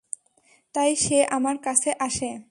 তাই, সে আমার কাছে আসে।